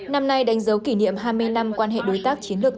năm nay đánh dấu kỷ niệm hai mươi năm quan hệ đối tác chiến lược